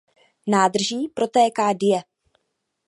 Nádrží protéká Dyje.